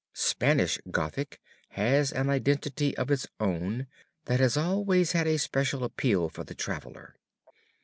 Spanish Gothic has an identity of its own that has always had a special appeal for the traveler.